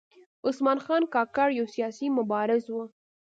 عثمان خان کاکړ یو سیاسي مبارز و .